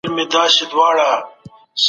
څنګه کولای سو ښه ټولنه ولرو؟